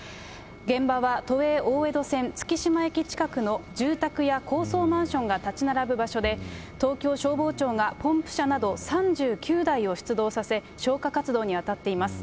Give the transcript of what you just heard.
現場は都営大江戸線月島駅近くの住宅や高層マンションが建ち並ぶ場所で、東京消防庁がポンプ車など３９台を出動させ、消火活動に当たっています。